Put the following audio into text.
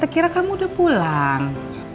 saya kira kamu udah pulang